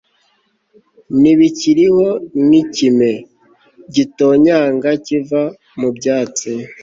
Ntibikiriho nkikime gitonyanga kiva mu byatsi